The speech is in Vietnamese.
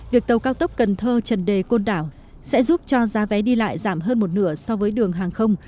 việc tàu cao tốc cần thơ trần đề côn đảo sẽ giúp cho giá vé đi lại giảm hơn một nửa so với đường hàng không